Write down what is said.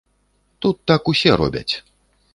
Тут так усе робяць.